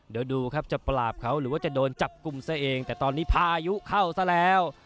เดี๋ยวดูครับจะปราบเขาหรือว่าจะโดนจับกลุ่มซะเองแต่ตอนนี้พายุเข้าซะแล้ว